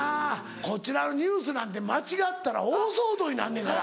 こちらのニュースなんて間違ったら大騒動になんねんから。